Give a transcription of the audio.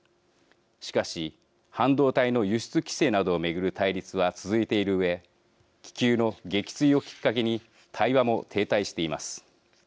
しかし半導体の輸出規制などを巡る対立は続いているうえ気球の撃墜をきっかけに対話も停滞しています。